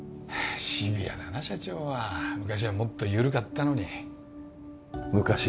あシビアだな社長は昔はもっと緩かったのに昔？